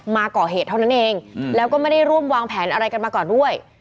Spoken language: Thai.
มาก่อเหตุเท่านั้นเองแล้วก็ไม่ได้ร่วมวางแผนอะไรกันมาก่อนด้วย